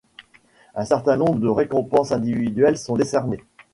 Un certain nombre de récompenses individuelles sont décernées.